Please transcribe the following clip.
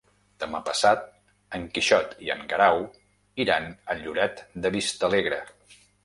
Demà passat en Quixot i en Guerau iran a Lloret de Vistalegre.